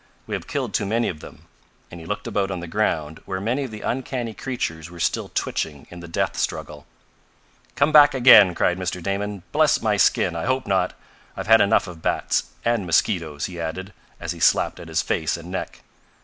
We have killed too many of them," and he looked about on the ground where many of the uncanny creatures were still twitching in the death struggle. "Come back again!" cried Mr. Damon. "Bless my skin! I hope not! I've had enough of bats and mosquitoes," he added, as he slapped at his face and neck.